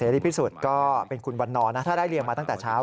ริพิสุทธิ์ก็เป็นคุณวันนอนนะถ้าได้เรียงมาตั้งแต่เช้า